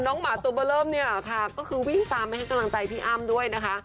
หมาตัวเบอร์เริ่มเนี่ยค่ะก็คือวิ่งตามไปให้กำลังใจพี่อ้ำด้วยนะคะ